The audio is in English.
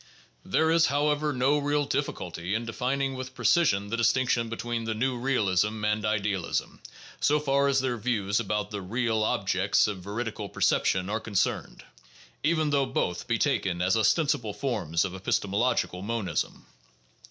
There is, however, no real difficulty in defining with precision the distinction between the new realism and idealism, so far as their views about the "real" objects of veridical perception are concerned, even though both be taken as ostensible forms of epistemological monism.